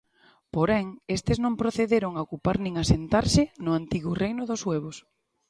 Porén, estes non procederon a ocupar nin asentarse no antigo reino dos suevos.